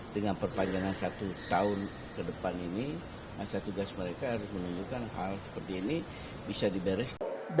dengan perpanjangan satu tahun ke depan ini masa tugas mereka harus menunjukkan hal seperti ini bisa diberes